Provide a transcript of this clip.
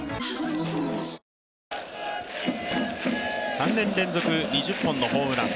３年連続２０本のホームラン。